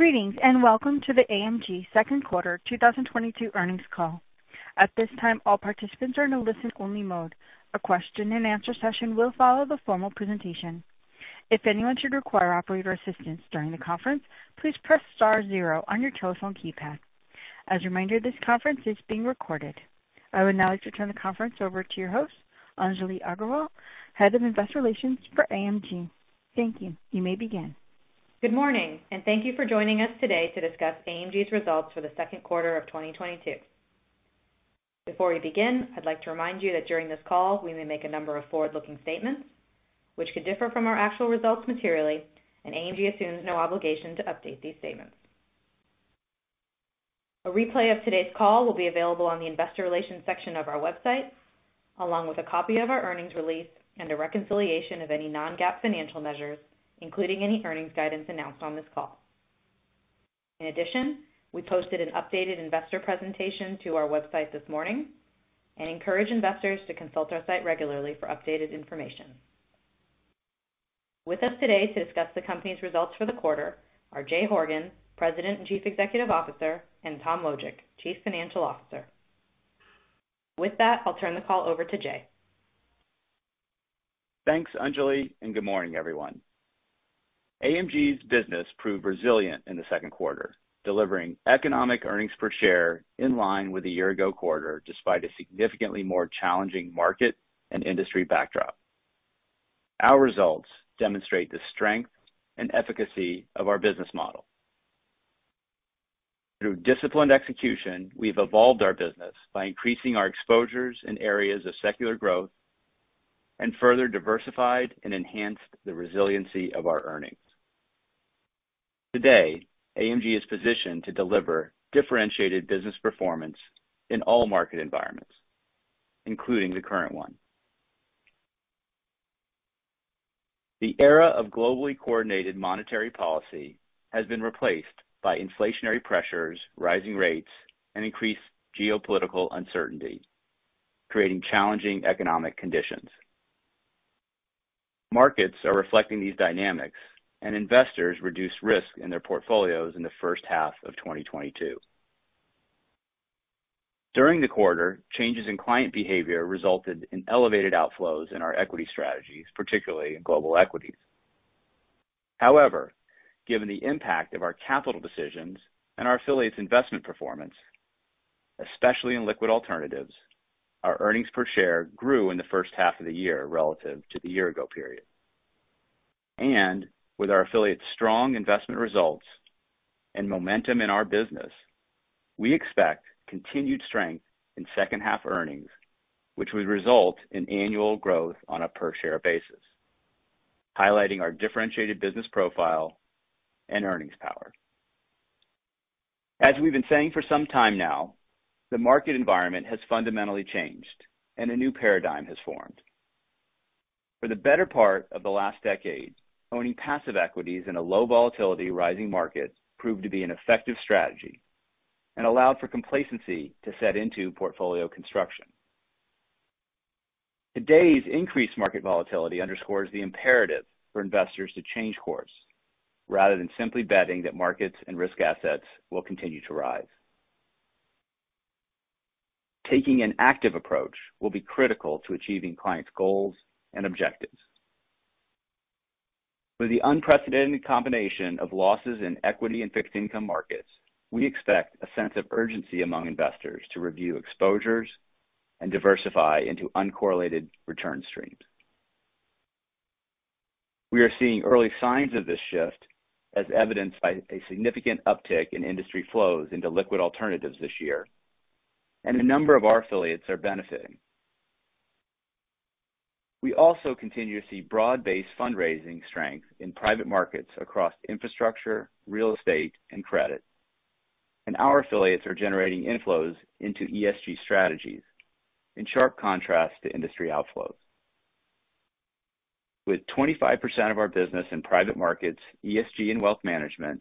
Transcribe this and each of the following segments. Greetings, and welcome to the AMG Second Quarter 2022 Earnings Call. At this time, all participants are in a listen-only mode. A question-and-answer session will follow the formal presentation. If anyone should require operator assistance during the conference, please press star zero on your telephone keypad. As a reminder, this conference is being recorded. I would now like to turn the conference over to your host, Anjali Aggarwal, Head of Investor Relations for AMG. Thank you. You may begin. Good morning, and thank you for joining us today to discuss AMG's Results for the Second Quarter of 2022. Before we begin, I'd like to remind you that during this call, we may make a number of forward-looking statements which could differ from our actual results materially, and AMG assumes no obligation to update these statements. A replay of today's call will be available on the Investor Relations section of our website, along with a copy of our earnings release and a reconciliation of any non-GAAP financial measures, including any earnings guidance announced on this call. In addition, we posted an updated investor presentation to our website this morning and encourage investors to consult our site regularly for updated information. With us today to discuss the company's results for the quarter are Jay Horgen, President and Chief Executive Officer, and Tom Wojcik, Chief Financial Officer. With that, I'll turn the call over to Jay. Thanks, Anjali, and good morning, everyone. AMG's business proved resilient in the second quarter, delivering Economic earnings per share in line with the year-ago quarter, despite a significantly more challenging market and industry backdrop. Our results demonstrate the strength and efficacy of our business model. Through disciplined execution, we've evolved our business by increasing our exposures in areas of secular growth and further diversified and enhanced the resiliency of our earnings. Today, AMG is positioned to deliver differentiated business performance in all market environments, including the current one. The era of globally coordinated monetary policy has been replaced by inflationary pressures, rising rates, and increased geopolitical uncertainty, creating challenging economic conditions. Markets are reflecting these dynamics, and investors reduced risk in their portfolios in the first half of 2022. During the quarter, changes in client behavior resulted in elevated outflows in our equity strategies, particularly in global equities. However, given the impact of our capital decisions and our affiliates' investment performance, especially in liquid alternatives, our earnings per share grew in the first half of the year relative to the year ago period. With our affiliates' strong investment results and momentum in our business, we expect continued strength in second half earnings, which would result in annual growth on a per share basis, highlighting our differentiated business profile and earnings power. As we've been saying for some time now, the market environment has fundamentally changed, and a new paradigm has formed. For the better part of the last decade, owning passive equities in a low volatility rising market proved to be an effective strategy and allowed for complacency to set into portfolio construction. Today's increased market volatility underscores the imperative for investors to change course rather than simply betting that markets and risk assets will continue to rise. Taking an active approach will be critical to achieving clients' goals and objectives. With the unprecedented combination of losses in equity and fixed income markets, we expect a sense of urgency among investors to review exposures and diversify into uncorrelated return streams. We are seeing early signs of this shift, as evidenced by a significant uptick in industry flows into liquid alternatives this year, and a number of our affiliates are benefiting. We also continue to see broad-based fundraising strength in private markets across infrastructure, real estate, and credit. Our affiliates are generating inflows into ESG strategies, in sharp contrast to industry outflows. With 25% of our business in private markets, ESG and wealth management,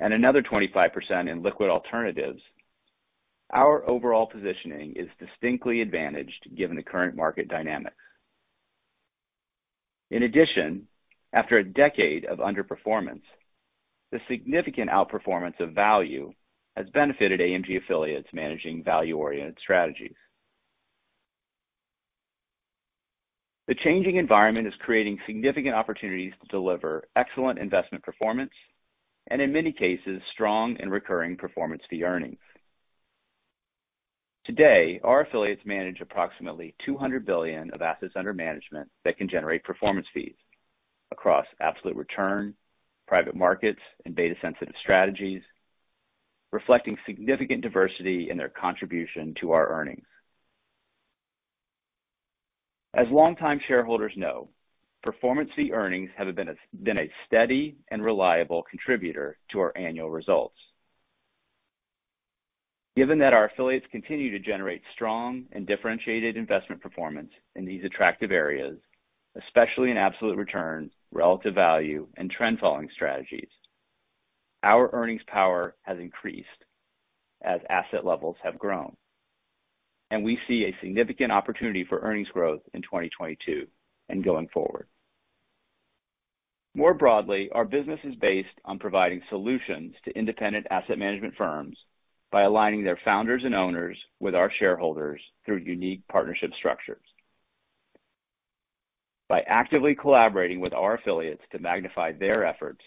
and another 25% in liquid alternatives, our overall positioning is distinctly advantaged given the current market dynamics. In addition, after a decade of underperformance, the significant outperformance of value has benefited AMG affiliates managing value-oriented strategies. The changing environment is creating significant opportunities to deliver excellent investment performance and, in many cases, strong and recurring performance fee earnings. Today, our affiliates manage approximately $200 billion of assets under management that can generate performance fees across absolute return, private markets, and beta sensitive strategies, reflecting significant diversity in their contribution to our earnings. As longtime shareholders know, performance fee earnings have been a steady and reliable contributor to our annual results. Given that our affiliates continue to generate strong and differentiated investment performance in these attractive areas, especially in absolute return, relative value, and trend following strategies, our earnings power has increased as asset levels have grown. We see a significant opportunity for earnings growth in 2022 and going forward. More broadly, our business is based on providing solutions to independent asset management firms by aligning their founders and owners with our shareholders through unique partnership structures. By actively collaborating with our affiliates to magnify their efforts,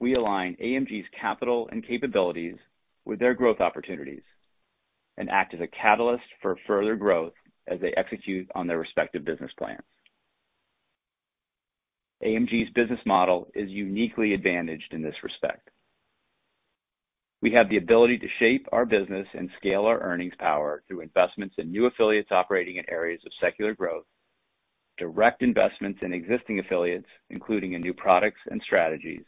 we align AMG's capital and capabilities with their growth opportunities and act as a catalyst for further growth as they execute on their respective business plans. AMG's business model is uniquely advantaged in this respect. We have the ability to shape our business and scale our earnings power through investments in new affiliates operating in areas of secular growth, direct investments in existing affiliates, including in new products and strategies,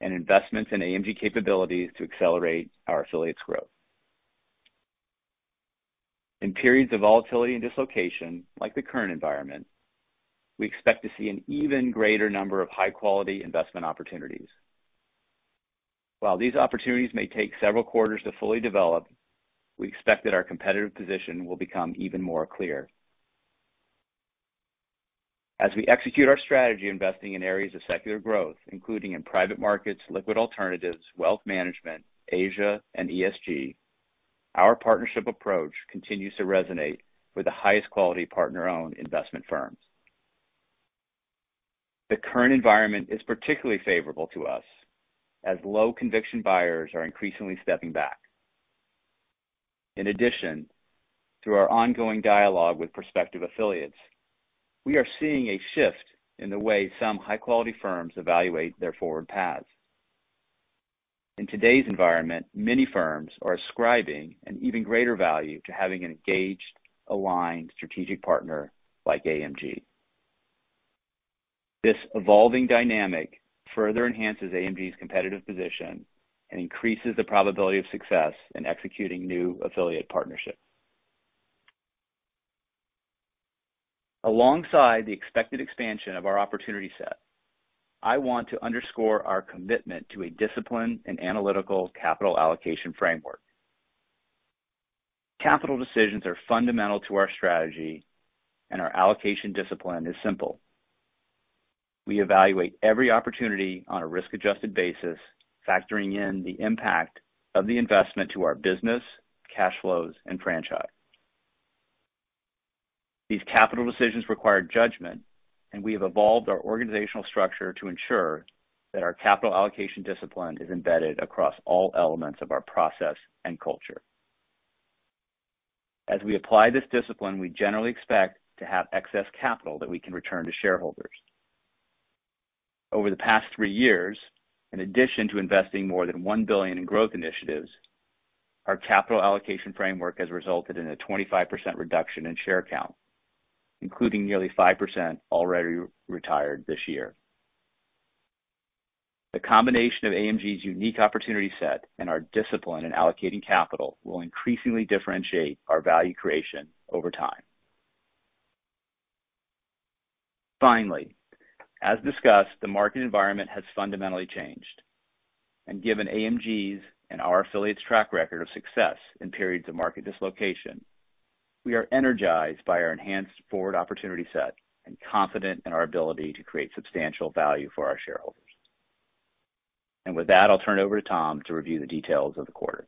and investments in AMG capabilities to accelerate our affiliates' growth. In periods of volatility and dislocation, like the current environment, we expect to see an even greater number of high-quality investment opportunities. While these opportunities may take several quarters to fully develop, we expect that our competitive position will become even more clear. As we execute our strategy investing in areas of secular growth, including in private markets, liquid alternatives, wealth management, Asia, and ESG, our partnership approach continues to resonate with the highest quality partner-owned investment firms. The current environment is particularly favorable to us as low conviction buyers are increasingly stepping back. In addition, through our ongoing dialogue with prospective affiliates, we are seeing a shift in the way some high-quality firms evaluate their forward paths. In today's environment, many firms are ascribing an even greater value to having an engaged, aligned strategic partner like AMG. This evolving dynamic further enhances AMG's competitive position and increases the probability of success in executing new affiliate partnerships. Alongside the expected expansion of our opportunity set, I want to underscore our commitment to a disciplined and analytical capital allocation framework. Capital decisions are fundamental to our strategy, and our allocation discipline is simple. We evaluate every opportunity on a risk-adjusted basis, factoring in the impact of the investment to our business, cash flows, and franchise. These capital decisions require judgment, and we have evolved our organizational structure to ensure that our capital allocation discipline is embedded across all elements of our process and culture. As we apply this discipline, we generally expect to have excess capital that we can return to shareholders. Over the past three years, in addition to investing more than $1 billion in growth initiatives, our capital allocation framework has resulted in a 25% reduction in share count, including nearly 5% already retired this year. The combination of AMG's unique opportunity set and our discipline in allocating capital will increasingly differentiate our value creation over time. Finally, as discussed, the market environment has fundamentally changed. Given AMG's and our affiliates' track record of success in periods of market dislocation, we are energized by our enhanced forward opportunity set and confident in our ability to create substantial value for our shareholders. With that, I'll turn it over to Tom to review the details of the quarter.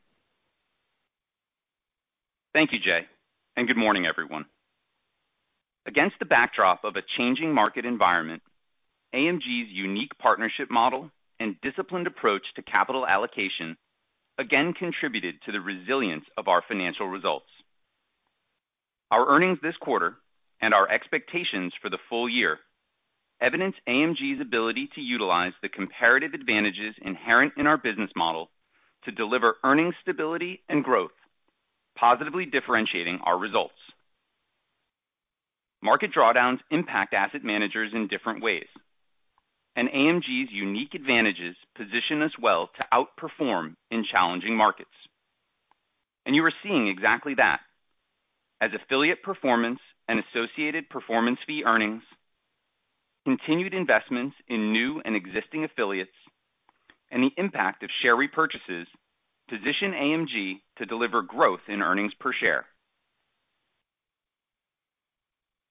Thank you, Jay, and good morning, everyone. Against the backdrop of a changing market environment, AMG's unique partnership model and disciplined approach to capital allocation again contributed to the resilience of our financial results. Our earnings this quarter and our expectations for the full year evidence AMG's ability to utilize the comparative advantages inherent in our business model to deliver earnings stability and growth, positively differentiating our results. Market drawdowns impact asset managers in different ways, and AMG's unique advantages position us well to outperform in challenging markets. You are seeing exactly that as affiliate performance and associated performance fee earnings, continued investments in new and existing affiliates, and the impact of share repurchases position AMG to deliver growth in earnings per share.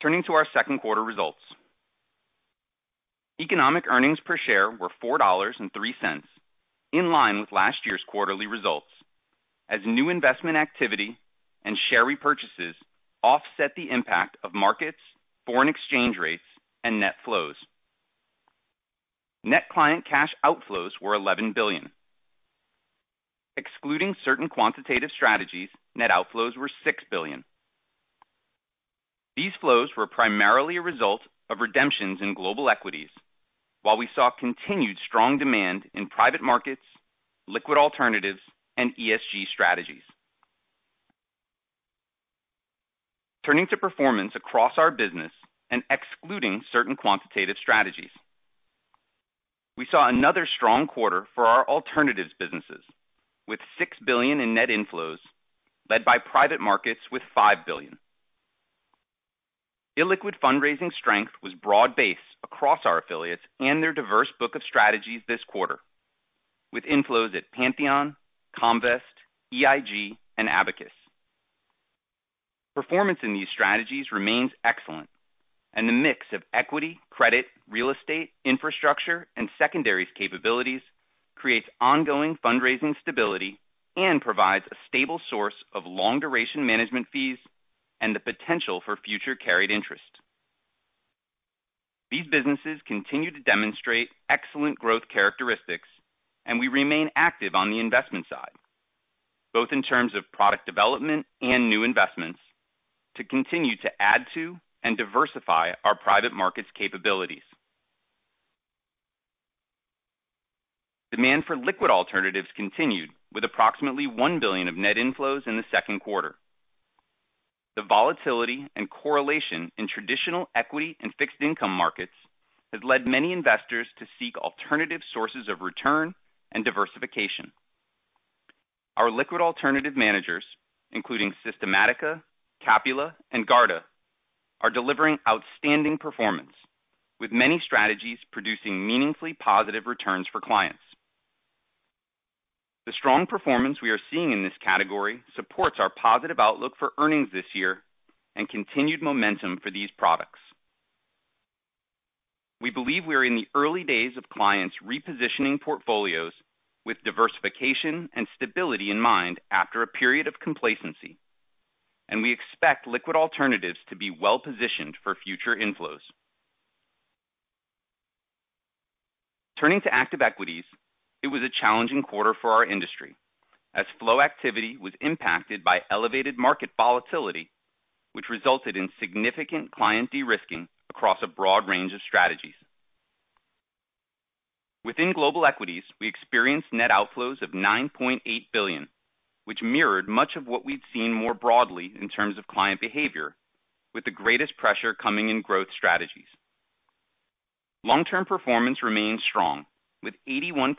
Turning to our second quarter results. Economic earnings per share were $4.03, in line with last year's quarterly results, as new investment activity and share repurchases offset the impact of markets, foreign exchange rates, and net flows. Net client cash outflows were $11 billion. Excluding certain quantitative strategies, net outflows were $6 billion. These flows were primarily a result of redemptions in global equities, while we saw continued strong demand in private markets, liquid alternatives, and ESG strategies. Turning to performance across our business and excluding certain quantitative strategies. We saw another strong quarter for our alternatives businesses, with $6 billion in net inflows, led by private markets with $5 billion. Illiquid fundraising strength was broad-based across our affiliates and their diverse book of strategies this quarter, with inflows at Pantheon, Comvest, EIG, and Abacus. Performance in these strategies remains excellent, and the mix of equity, credit, real estate, infrastructure, and secondaries capabilities creates ongoing fundraising stability and provides a stable source of long-duration management fees and the potential for future carried interest. These businesses continue to demonstrate excellent growth characteristics, and we remain active on the investment side, both in terms of product development and new investments, to continue to add to and diversify our private markets capabilities. Demand for liquid alternatives continued, with approximately $1 billion of net inflows in the second quarter. The volatility and correlation in traditional equity and fixed income markets has led many investors to seek alternative sources of return and diversification. Our liquid alternative managers, including Systematica, Capula, and Garda, are delivering outstanding performance, with many strategies producing meaningfully positive returns for clients. The strong performance we are seeing in this category supports our positive outlook for earnings this year and continued momentum for these products. We believe we are in the early days of clients repositioning portfolios with diversification and stability in mind after a period of complacency, and we expect liquid alternatives to be well-positioned for future inflows. Turning to active equities, it was a challenging quarter for our industry as flow activity was impacted by elevated market volatility, which resulted in significant client de-risking across a broad range of strategies. Within global equities, we experienced net outflows of $9.8 billion, which mirrored much of what we'd seen more broadly in terms of client behavior, with the greatest pressure coming in growth strategies. Long-term performance remains strong, with 81%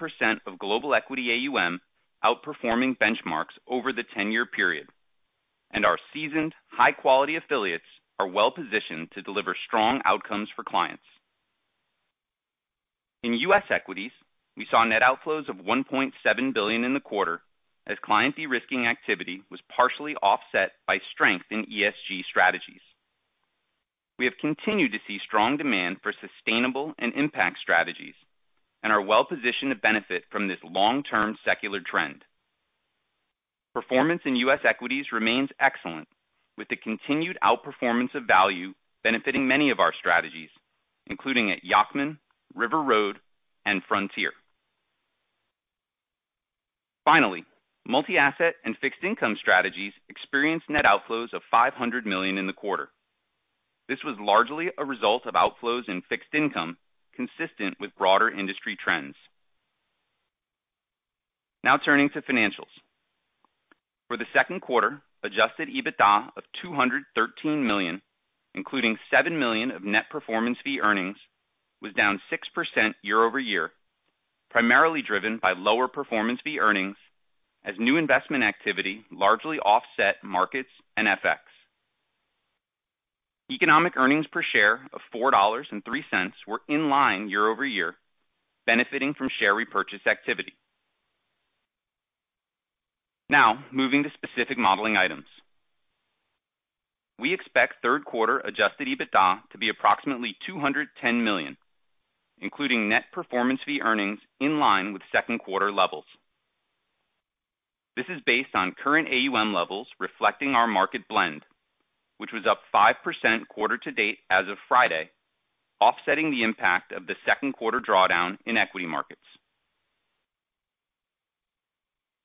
of global equity AUM outperforming benchmarks over the 10-year period, and our seasoned, high-quality affiliates are well-positioned to deliver strong outcomes for clients. In U.S. equities, we saw net outflows of $1.7 billion in the quarter as client de-risking activity was partially offset by strength in ESG strategies. We have continued to see strong demand for sustainable and impact strategies and are well-positioned to benefit from this long-term secular trend. Performance in U.S. equities remains excellent, with the continued outperformance of value benefiting many of our strategies, including at Yacktman, River Road, and Frontier. Finally, multi-asset and fixed income strategies experienced net outflows of $500 million in the quarter. This was largely a result of outflows in fixed income, consistent with broader industry trends. Now turning to financials. For the second quarter, Adjusted EBITDA of $213 million, including $7 million of net performance fee earnings, was down 6% year-over-year, primarily driven by lower performance fee earnings as new investment activity largely offset markets and FX. Economic earnings per share of $4.03 were in line year-over-year, benefiting from share repurchase activity. Now, moving to specific modeling items. We expect third quarter Adjusted EBITDA to be approximately $210 million, including net performance fee earnings in line with second quarter levels. This is based on current AUM levels reflecting our market blend, which was up 5% quarter-to-date as of Friday, offsetting the impact of the second quarter drawdown in equity markets.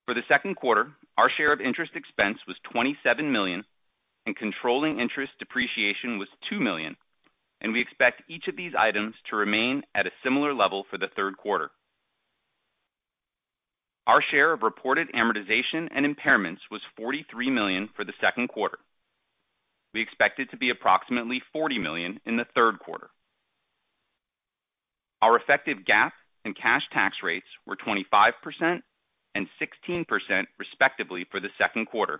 For the second quarter, our share of interest expense was $27 million and controlling interest depreciation was $2 million, and we expect each of these items to remain at a similar level for the third quarter. Our share of reported amortization and impairments was $43 million for the second quarter. We expect it to be approximately $40 million in the third quarter. Our effective GAAP and cash tax rates were 25% and 16% respectively for the second quarter,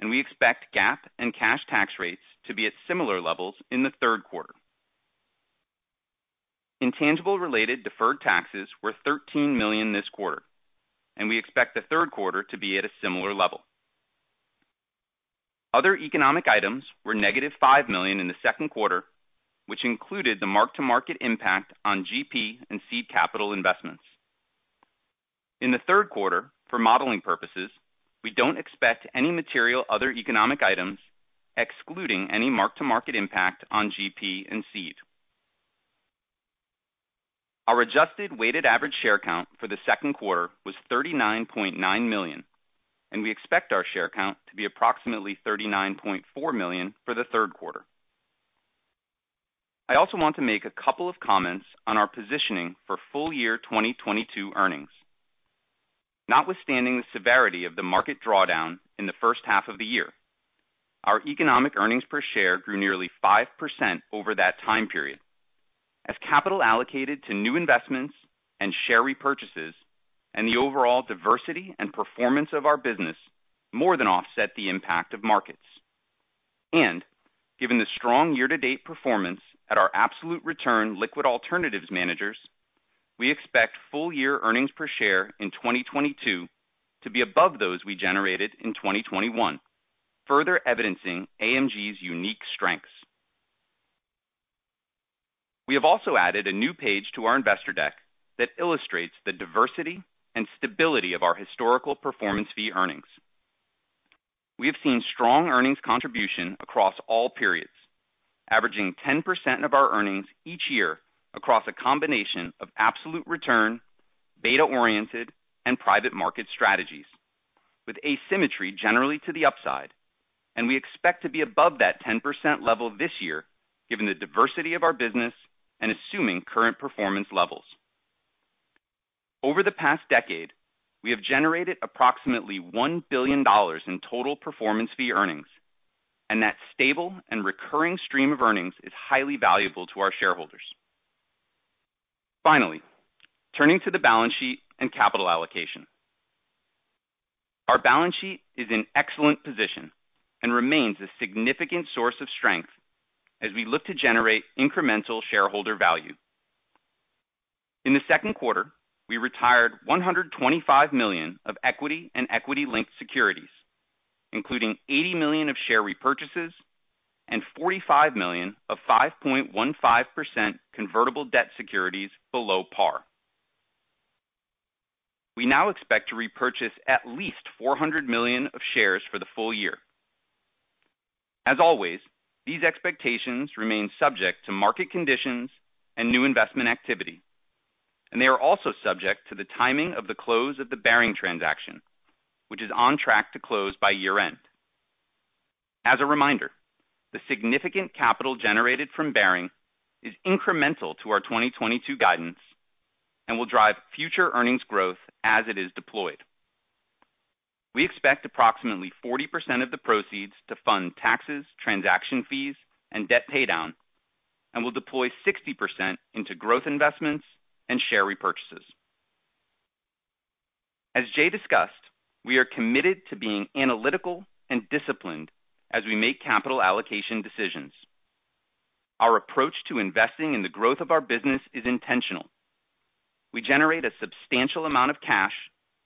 and we expect GAAP and cash tax rates to be at similar levels in the third quarter. Intangible-related deferred taxes were $13 million this quarter, and we expect the third quarter to be at a similar level. Other economic items were -$5 million in the second quarter, which included the mark-to-market impact on GP and seed capital investments. In the third quarter, for modeling purposes, we don't expect any material other economic items, excluding any mark-to-market impact on GP and seed. Our adjusted weighted average share count for the second quarter was 39.9 million, and we expect our share count to be approximately 39.4 million for the third quarter. I also want to make a couple of comments on our positioning for full year 2022 earnings. Notwithstanding the severity of the market drawdown in the first half of the year, our economic earnings per share grew nearly 5% over that time period. As capital allocated to new investments and share repurchases, and the overall diversity and performance of our business more than offset the impact of markets. Given the strong year-to-date performance at our absolute return liquid alternatives managers, we expect full-year earnings per share in 2022 to be above those we generated in 2021, further evidencing AMG's unique strengths. We have also added a new page to our investor deck that illustrates the diversity and stability of our historical performance fee earnings. We have seen strong earnings contribution across all periods, averaging 10% of our earnings each year across a combination of absolute return, beta-oriented, and private market strategies, with asymmetry generally to the upside, and we expect to be above that 10% level this year, given the diversity of our business and assuming current performance levels. Over the past decade, we have generated approximately $1 billion in total performance fee earnings, and that stable and recurring stream of earnings is highly valuable to our shareholders. Finally, turning to the balance sheet and capital allocation. Our balance sheet is in excellent position and remains a significant source of strength as we look to generate incremental shareholder value. In the second quarter, we retired $125 million of equity and equity-linked securities, including $80 million of share repurchases and $45 million of 5.15% convertible debt securities below par. We now expect to repurchase at least $400 million of shares for the full year. As always, these expectations remain subject to market conditions and new investment activity, and they are also subject to the timing of the close of the Baring transaction, which is on track to close by year-end. As a reminder, the significant capital generated from Baring is incremental to our 2022 guidance and will drive future earnings growth as it is deployed. We expect approximately 40% of the proceeds to fund taxes, transaction fees and debt pay down, and we'll deploy 60% into growth investments and share repurchases. As Jay discussed, we are committed to being analytical and disciplined as we make capital allocation decisions. Our approach to investing in the growth of our business is intentional. We generate a substantial amount of cash,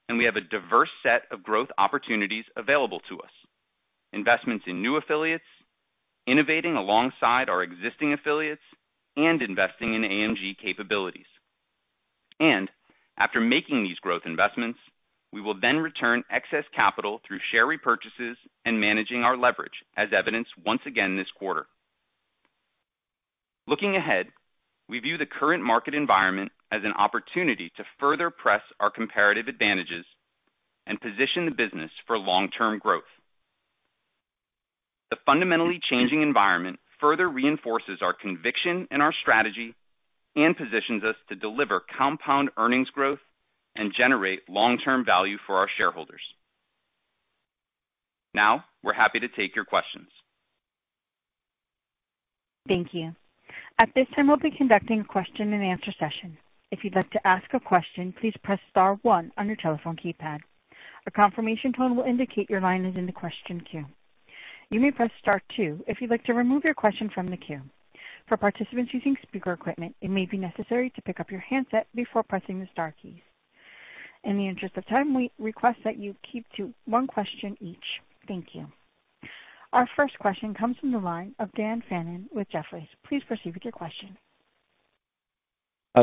and we have a diverse set of growth opportunities available to us, investments in new affiliates, innovating alongside our existing affiliates, and investing in AMG capabilities. After making these growth investments, we will then return excess capital through share repurchases and managing our leverage as evidenced once again this quarter. Looking ahead, we view the current market environment as an opportunity to further press our comparative advantages and position the business for long-term growth. The fundamentally changing environment further reinforces our conviction in our strategy and positions us to deliver compound earnings growth and generate long-term value for our shareholders. Now, we're happy to take your questions. Thank you. At this time, we'll be conducting a question-and-answer session. If you'd like to ask a question, please press star one on your telephone keypad. A confirmation tone will indicate your line is in the question queue. You may press star two if you'd like to remove your question from the queue. For participants using speaker equipment, it may be necessary to pick up your handset before pressing the star keys. In the interest of time, we request that you keep to one question each. Thank you. Our first question comes from the line of Dan Fannon with Jefferies. Please proceed with your question.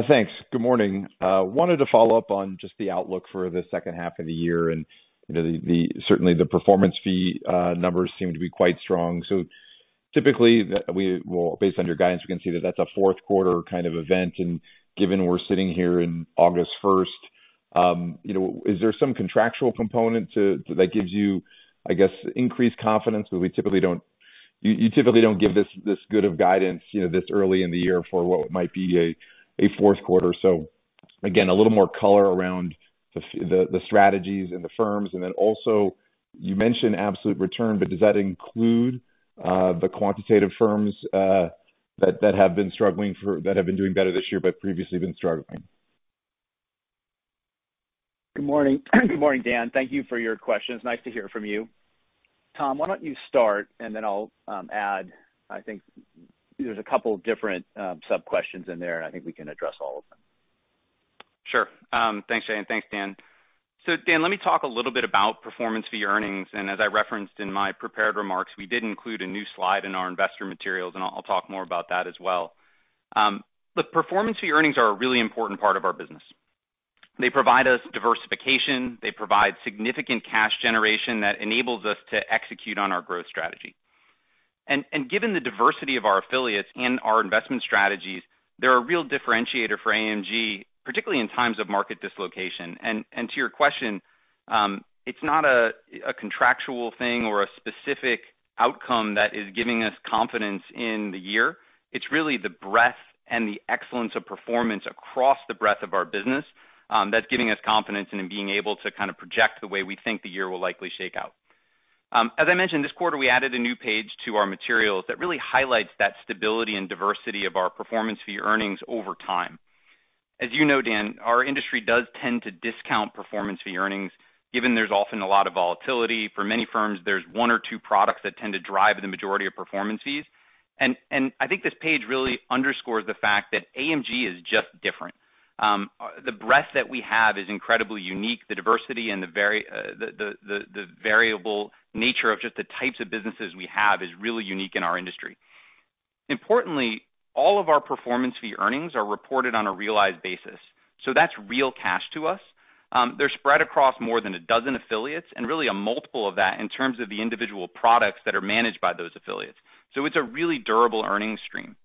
Thanks. Good morning. Wanted to follow up on just the outlook for the second half of the year. You know, certainly, the performance fee numbers seem to be quite strong. Typically, well, based on your guidance, we can see that that's a fourth quarter kind of event. Given we're sitting here in August first, you know, is there some contractual component that gives you, I guess, increased confidence? You typically don't give this good of guidance, you know, this early in the year for what might be a fourth quarter. Again, a little more color around the strategies and the firms. You mentioned absolute return, but does that include the quantitative firms that have been doing better this year but previously been struggling? Good morning. Good morning, Dan. Thank you for your questions. Nice to hear from you. Tom, why don't you start, and then I'll add. I think there's a couple different sub-questions in there, and I think we can address all of them. Sure. Thanks, Jay, and thanks, Dan. Dan, let me talk a little bit about performance fee earnings. As I referenced in my prepared remarks, we did include a new slide in our investor materials, and I'll talk more about that as well. The performance fee earnings are a really important part of our business. They provide us diversification. They provide significant cash generation that enables us to execute on our growth strategy. Given the diversity of our affiliates and our investment strategies, they're a real differentiator for AMG, particularly in times of market dislocation. To your question, it's not a contractual thing or a specific outcome that is giving us confidence in the year. It's really the breadth and the excellence of performance across the breadth of our business, that's giving us confidence and in being able to kind of project the way we think the year will likely shake out. As I mentioned this quarter, we added a new page to our materials that really highlights that stability and diversity of our performance fee earnings over time. As you know, Dan, our industry does tend to discount performance fee earnings, given there's often a lot of volatility. For many firms, there's one or two products that tend to drive the majority of performance fees. I think this page really underscores the fact that AMG is just different. The breadth that we have is incredibly unique. The diversity and the very, the variable nature of just the types of businesses we have is really unique in our industry. Importantly, all of our performance fee earnings are reported on a realized basis, so that's real cash to us. They're spread across more than a dozen affiliates and really a multiple of that in terms of the individual products that are managed by those affiliates. It's a really durable earnings stream.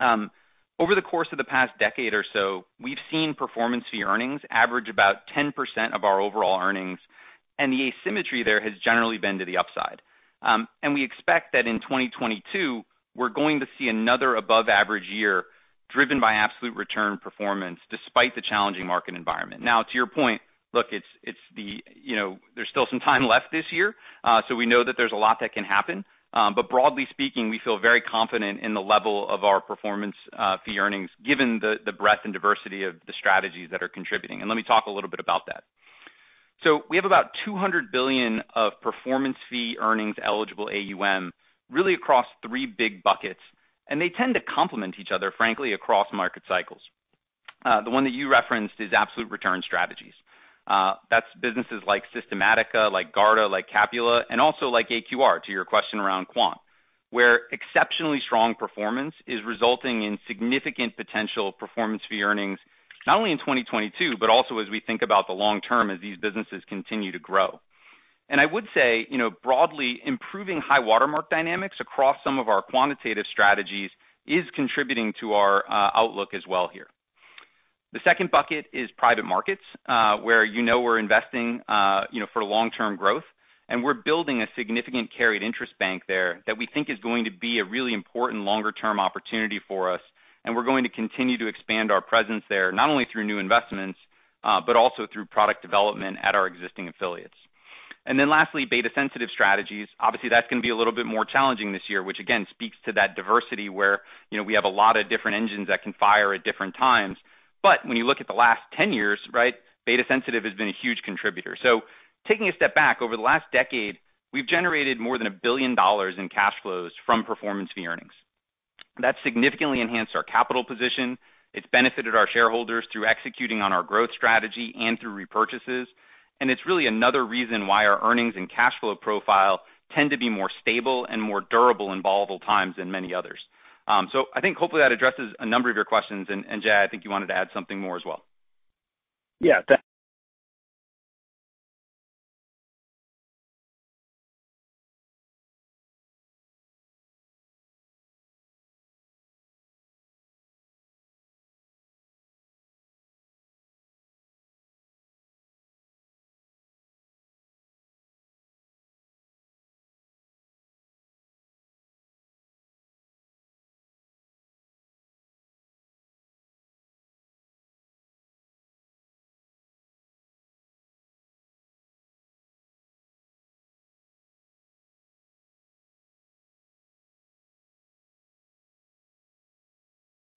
Over the course of the past decade or so, we've seen performance fee earnings average about 10% of our overall earnings, and the asymmetry there has generally been to the upside. We expect that in 2022, we're going to see another above average year driven by absolute return performance despite the challenging market environment. Now, to your point, look, it's the, you know, there's still some time left this year, so we know that there's a lot that can happen. Broadly speaking, we feel very confident in the level of our performance fee earnings, given the breadth and diversity of the strategies that are contributing. Let me talk a little bit about that. We have about $200 billion of performance fee earnings eligible AUM really across three big buckets, and they tend to complement each other, frankly, across market cycles. The one that you referenced is absolute return strategies. That's businesses like Systematica, like Garda, like Capula, and also like AQR to your question around Quant, where exceptionally strong performance is resulting in significant potential performance fee earnings, not only in 2022, but also as we think about the long term as these businesses continue to grow. I would say, you know, broadly, improving high watermark dynamics across some of our quantitative strategies is contributing to our outlook as well here. The second bucket is private markets, where, you know, we're investing, you know, for long-term growth, and we're building a significant carried interest bank there that we think is going to be a really important longer-term opportunity for us. We're going to continue to expand our presence there, not only through new investments, but also through product development at our existing affiliates. Then lastly, beta sensitive strategies. Obviously, that's gonna be a little bit more challenging this year, which again, speaks to that diversity where, you know, we have a lot of different engines that can fire at different times. When you look at the last 10 years, right, beta sensitive has been a huge contributor. Taking a step back, over the last decade, we've generated more than $1 billion in cash flows from performance fee earnings. That significantly enhanced our capital position. It's benefited our shareholders through executing on our growth strategy and through repurchases. It's really another reason why our earnings and cash flow profile tend to be more stable and more durable in volatile times than many others. I think hopefully that addresses a number of your questions. Jay, I think you wanted to add something more as well. Yeah.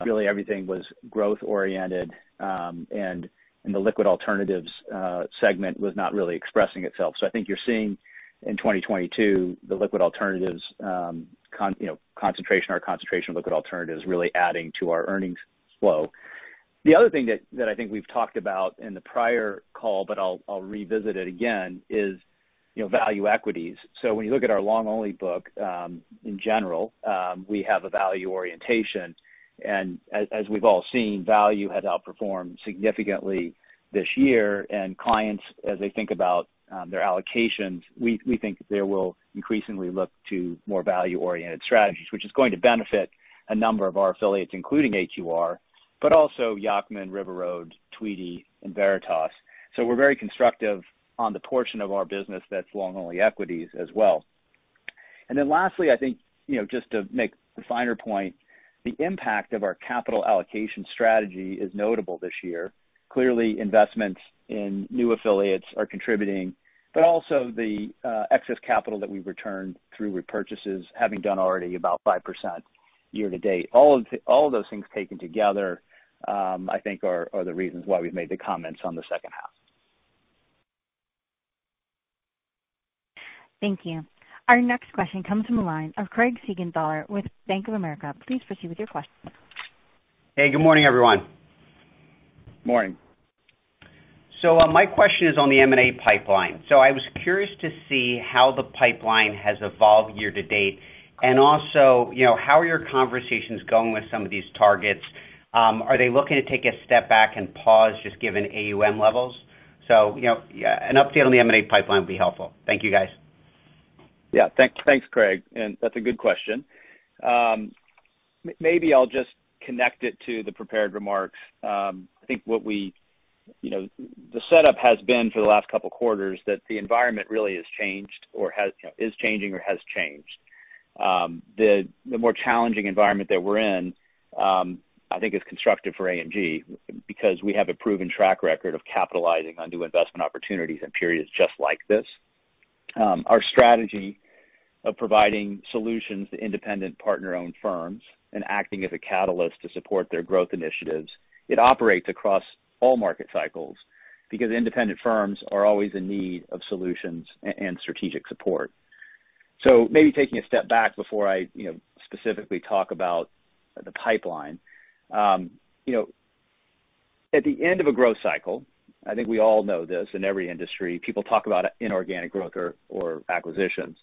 Really everything was growth-oriented, and the liquid alternatives segment was not really expressing itself. I think you're seeing in 2022 the liquid alternatives, you know, concentration of liquid alternatives really adding to our earnings flow. The other thing that I think we've talked about in the prior call, but I'll revisit it again, is, you know, value equities. When you look at our long only book, in general, we have a value orientation. As we've all seen, value has outperformed significantly this year. Clients, as they think about their allocations, we think they will increasingly look to more value-oriented strategies, which is going to benefit a number of our affiliates, including AQR, but also Yacktman, River Road, Tweedy, and Veritas. We're very constructive on the portion of our business that's long only equities as well. Then lastly, I think, you know, just to make the finer point, the impact of our capital allocation strategy is notable this year. Clearly, investments in new affiliates are contributing, but also the excess capital that we've returned through repurchases, having done already about 5% year-to-date. All those things taken together, I think are the reasons why we've made the comments on the second half. Thank you. Our next question comes from the line of Craig Siegenthaler with Bank of America. Please proceed with your question. Hey, good morning, everyone. Morning. My question is on the M&A pipeline. I was curious to see how the pipeline has evolved year-to-date. You know, how are your conversations going with some of these targets? Are they looking to take a step back and pause, just given AUM levels? You know, an update on the M&A pipeline would be helpful. Thank you, guys. Yeah. Thanks, Craig, and that's a good question. Maybe I'll just connect it to the prepared remarks. I think you know, the setup has been for the last couple quarters that the environment really has changed or has, you know, is changing or has changed. The more challenging environment that we're in, I think is constructive for AMG because we have a proven track record of capitalizing on new investment opportunities in periods just like this. Our strategy of providing solutions to independent partner-owned firms and acting as a catalyst to support their growth initiatives operates across all market cycles because independent firms are always in need of solutions and strategic support. Maybe taking a step back before I, you know, specifically talk about the pipeline. You know, at the end of a growth cycle, I think we all know this in every industry, people talk about inorganic growth or acquisitions.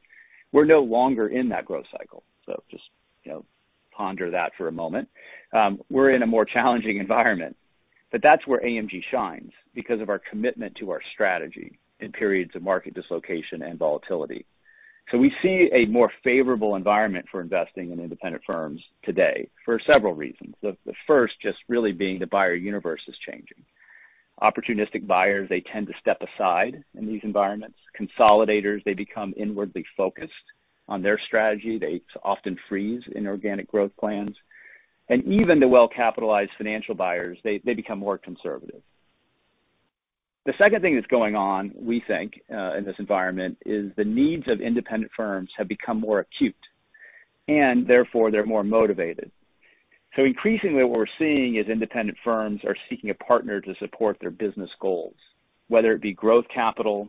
We're no longer in that growth cycle, so just, you know, ponder that for a moment. We're in a more challenging environment, but that's where AMG shines because of our commitment to our strategy in periods of market dislocation and volatility. We see a more favorable environment for investing in independent firms today for several reasons. The first just really being the buyer universe is changing. Opportunistic buyers, they tend to step aside in these environments. Consolidators, they become inwardly focused on their strategy. They often freeze inorganic growth plans. Even the well-capitalized financial buyers, they become more conservative. The second thing that's going on, we think, in this environment, is the needs of independent firms have become more acute, and therefore they're more motivated. Increasingly what we're seeing is independent firms are seeking a partner to support their business goals. Whether it be growth capital,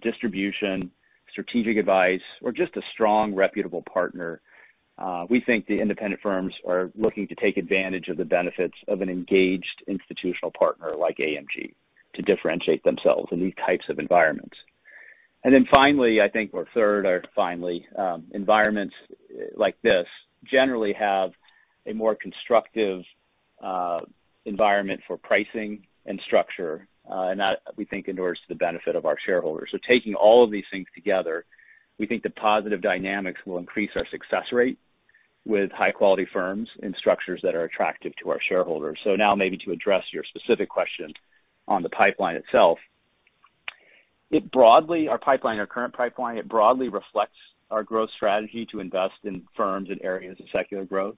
distribution, strategic advice, or just a strong reputable partner, we think the independent firms are looking to take advantage of the benefits of an engaged institutional partner like AMG to differentiate themselves in these types of environments. Then finally, I think, or third or finally, environments like this generally have a more constructive, environment for pricing and structure, and that we think endures to the benefit of our shareholders. Taking all of these things together, we think the positive dynamics will increase our success rate with high quality firms and structures that are attractive to our shareholders. Now maybe to address your specific question on the pipeline itself. Our current pipeline broadly reflects our growth strategy to invest in firms in areas of secular growth.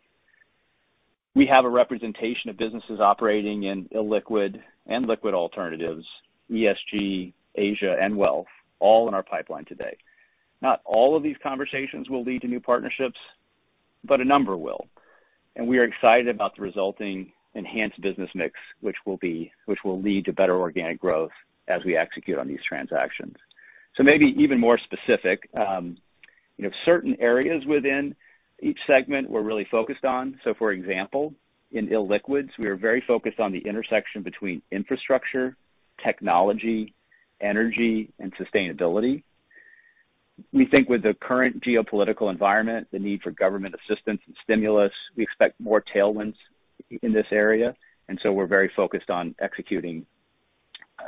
We have a representation of businesses operating in illiquid and liquid alternatives, ESG, Asia and wealth all in our pipeline today. Not all of these conversations will lead to new partnerships, but a number will. We are excited about the resulting enhanced business mix, which will lead to better organic growth as we execute on these transactions. Maybe even more specific, you know, certain areas within each segment we're really focused on. For example, in illiquids, we are very focused on the intersection between infrastructure, technology, energy and sustainability. We think with the current geopolitical environment, the need for government assistance and stimulus, we expect more tailwinds in this area, and we're very focused on executing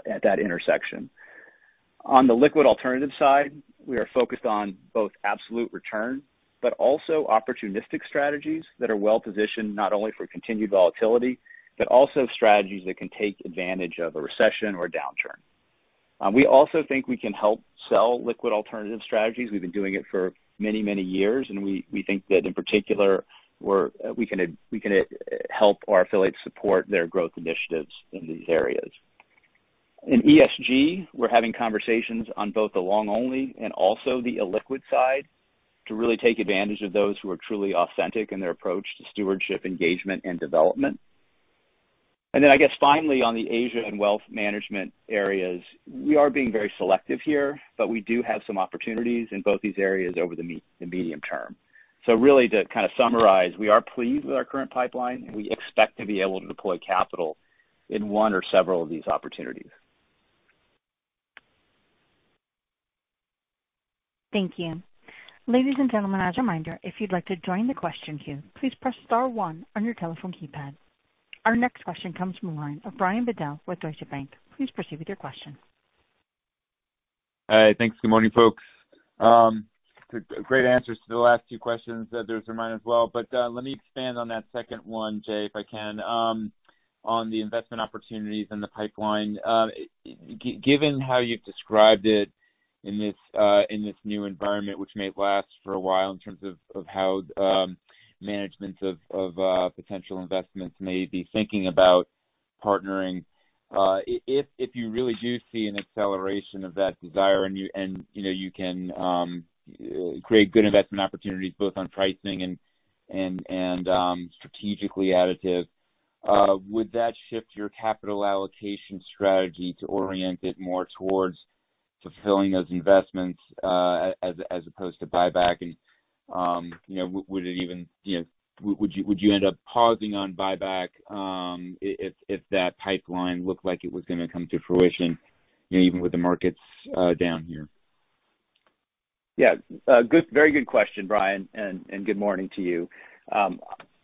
at that intersection. On the liquid alternative side, we are focused on both absolute return, but also opportunistic strategies that are well positioned not only for continued volatility, but also strategies that can take advantage of a recession or downturn. We also think we can help sell liquid alternative strategies. We've been doing it for many, many years, and we think that in particular, we can help our affiliates support their growth initiatives in these areas. In ESG, we're having conversations on both the long only and also the illiquid side to really take advantage of those who are truly authentic in their approach to stewardship, engagement and development. Then I guess finally, on the Asia and wealth management areas, we are being very selective here, but we do have some opportunities in both these areas over the medium term. Really to kind of summarize, we are pleased with our current pipeline, and we expect to be able to deploy capital in one or several of these opportunities. Thank you. Ladies, and gentlemen, as a reminder, if you'd like to join the question queue, please press star one on your telephone keypad. Our next question comes from the line of Brian Bedell with Deutsche Bank. Please proceed with your question. Hi. Thanks. Good morning, folks. Great answers to the last two questions. Those are mine as well. Let me expand on that second one, Jay, if I can, on the investment opportunities and the pipeline. Given how you've described it in this new environment, which may last for a while in terms of how managements of potential investments may be thinking about partnering. If you really do see an acceleration of that desire and you know you can create good investment opportunities both on pricing and strategically additive, would that shift your capital allocation strategy to orient it more towards fulfilling those investments as opposed to buyback? You know, would it even, you know. Would you end up pausing on buyback, if that pipeline looked like it was gonna come to fruition, you know, even with the markets down here? Very good question, Brian, and good morning to you.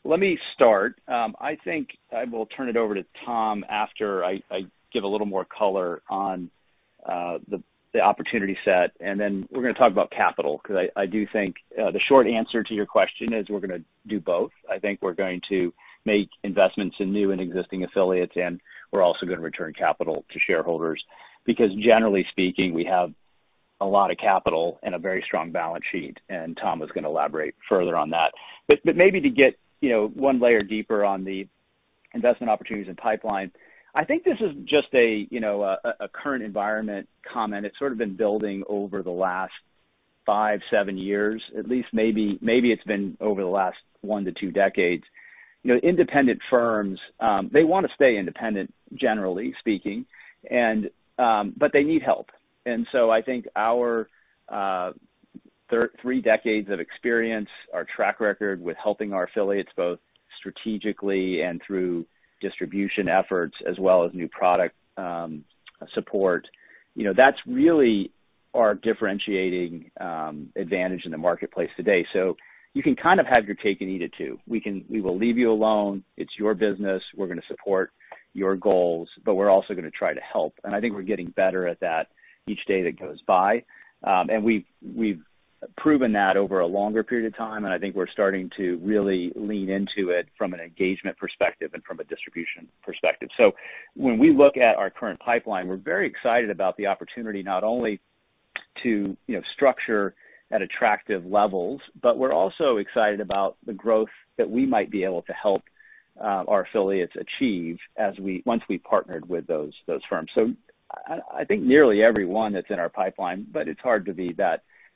Let me start. I think I will turn it over to Tom after I give a little more color on the opportunity set, and then we're going to talk about capital, because I do think the short answer to your question is we're going to do both. I think we're going to make investments in new and existing affiliates, and we're also going to return capital to shareholders. Because generally speaking, we have a lot of capital and a very strong balance sheet, and Tom is going to elaborate further on that. But maybe to get, you know, one layer deeper on the investment opportunities and pipeline. I think this is just a, you know, current environment comment. It's sort of been building over the last five, seven years, at least maybe. Maybe it's been over the last one to two decades. You know, independent firms, they wanna stay independent, generally speaking, and, but they need help. I think our three decades of experience, our track record with helping our affiliates, both strategically and through distribution efforts as well as new product support. You know, that's really our differentiating advantage in the marketplace today. So you can kind of have your cake and eat it too. We will leave you alone. It's your business. We're gonna support your goals, but we're also gonna try to help. I think we're getting better at that each day that goes by. We've proven that over a longer period of time, and I think we're starting to really lean into it from an engagement perspective and from a distribution perspective. When we look at our current pipeline, we're very excited about the opportunity not only to you know structure at attractive levels, but we're also excited about the growth that we might be able to help our affiliates achieve once we've partnered with those firms. I think nearly everyone that's in our pipeline, but it's hard to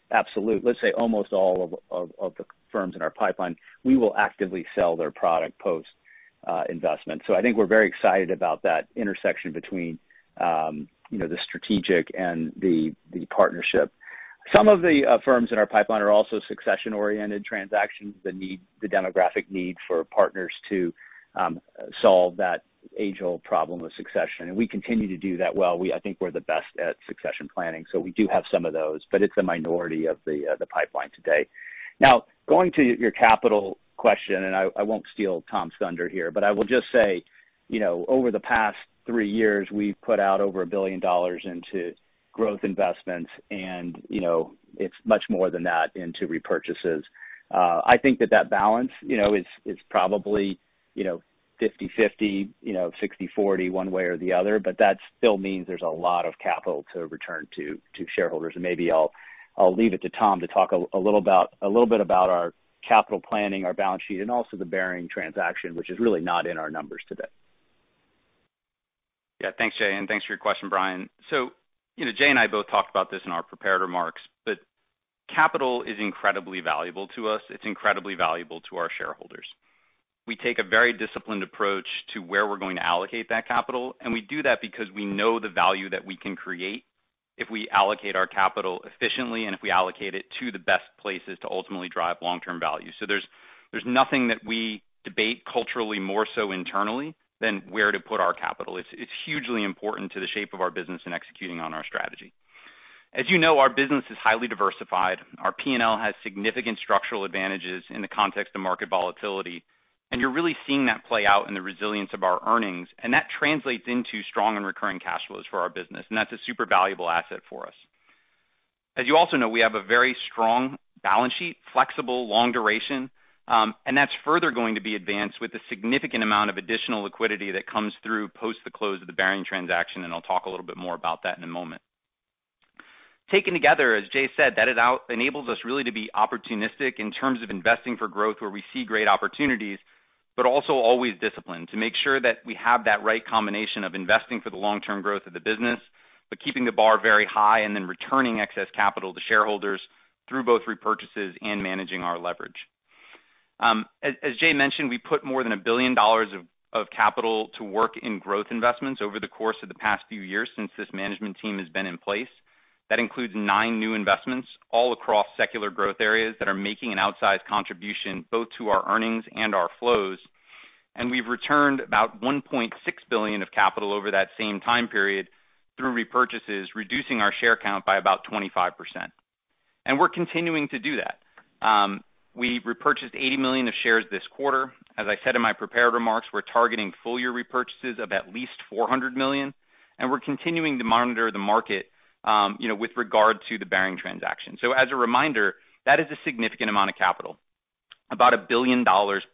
be that absolute. Let's say almost all of the firms in our pipeline, we will actively sell their product post investment. I think we're very excited about that intersection between you know the strategic and the partnership. Some of the firms in our pipeline are also succession-oriented transactions that need the demographic need for partners to solve that age-old problem of succession. We continue to do that well. I think we're the best at succession planning, so we do have some of those, but it's a minority of the pipeline today. Now, going to your capital question, I won't steal Tom's thunder here. I will just say, you know, over the past three years, we've put out over $1 billion into growth investments and, you know, it's much more than that into repurchases. I think that balance, you know, is probably, you know, 50/50, you know, 60/40 one way or the other, but that still means there's a lot of capital to return to shareholders. Maybe I'll leave it to Tom to talk a little bit about our capital planning, our balance sheet, and also the Baring transaction, which is really not in our numbers today. Yeah. Thanks, Jay, and thanks for your question, Brian. You know, Jay and I both talked about this in our prepared remarks, but capital is incredibly valuable to us. It's incredibly valuable to our shareholders. We take a very disciplined approach to where we're going to allocate that capital, and we do that because we know the value that we can create if we allocate our capital efficiently and if we allocate it to the best places to ultimately drive long-term value. There's nothing that we debate culturally more so internally than where to put our capital. It's hugely important to the shape of our business in executing on our strategy. As you know, our business is highly diversified. Our P&L has significant structural advantages in the context of market volatility. You're really seeing that play out in the resilience of our earnings, and that translates into strong and recurring cash flows for our business, and that's a super valuable asset for us. As you also know, we have a very strong balance sheet, flexible, long duration, and that's further going to be advanced with a significant amount of additional liquidity that comes through post the close of the Baring transaction, and I'll talk a little bit more about that in a moment. Taken together, as Jay said, that it enables us really to be opportunistic in terms of investing for growth where we see great opportunities, but also always disciplined to make sure that we have that right combination of investing for the long-term growth of the business, but keeping the bar very high and then returning excess capital to shareholders through both repurchases and managing our leverage. As Jay mentioned, we put more than $1 billion of capital to work in growth investments over the course of the past few years since this management team has been in place. That includes nine new investments all across secular growth areas that are making an outsized contribution both to our earnings and our flows. We've returned about $1.6 billion of capital over that same time period through repurchases, reducing our share count by about 25%. We're continuing to do that. We repurchased $80 million of shares this quarter. As I said in my prepared remarks, we're targeting full year repurchases of at least $400 million, and we're continuing to monitor the market, you know, with regard to the Baring transaction. As a reminder, that is a significant amount of capital, about $1 billion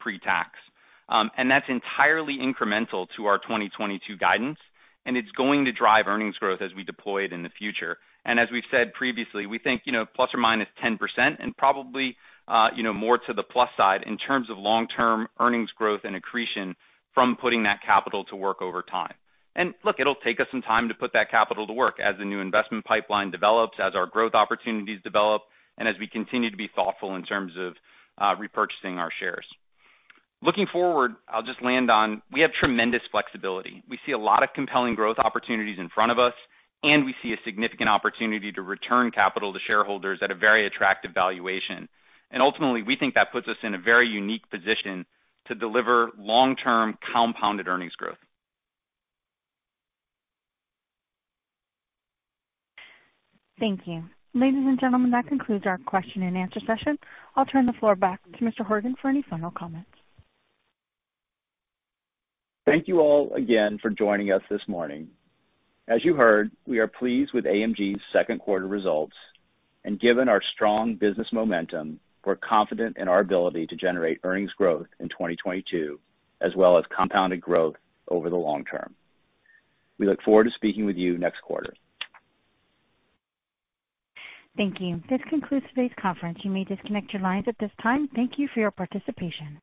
pre-tax. And that's entirely incremental to our 2022 guidance, and it's going to drive earnings growth as we deploy it in the future. As we've said previously, we think, you know, ±10% and probably, you know, more to the plus side in terms of long-term earnings growth and accretion from putting that capital to work over time. Look, it'll take us some time to put that capital to work as the new investment pipeline develops, as our growth opportunities develop, and as we continue to be thoughtful in terms of repurchasing our shares. Looking forward, I'll just land on we have tremendous flexibility. We see a lot of compelling growth opportunities in front of us, and we see a significant opportunity to return capital to shareholders at a very attractive valuation. Ultimately, we think that puts us in a very unique position to deliver long-term compounded earnings growth. Thank you. Ladies, and gentlemen, that concludes our question-and-answer session. I'll turn the floor back to Mr. Horgen for any final comments. Thank you all again for joining us this morning. As you heard, we are pleased with AMG's second quarter results, and given our strong business momentum, we're confident in our ability to generate earnings growth in 2022, as well as compounded growth over the long term. We look forward to speaking with you next quarter. Thank you. This concludes today's conference. You may disconnect your lines at this time. Thank you for your participation.